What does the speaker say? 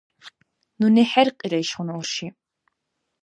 Нуни хӀеркьира ишгъуна урши.